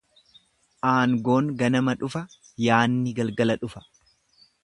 Aangoon ganama dhufa yaanni galgala dhufa.